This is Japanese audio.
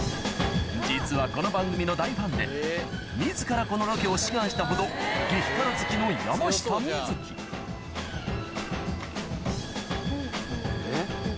実はこの番組の大ファンで自らこのロケを志願したほど激辛好きのうんうんうんうん。